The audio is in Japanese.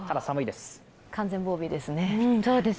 完全防備ですね。